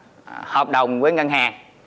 một cái hợp đồng với ngân hàng